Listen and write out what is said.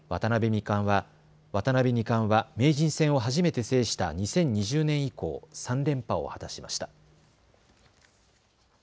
渡辺二冠は名人戦を初めて制した２０２０年以降、３連覇を果たしました。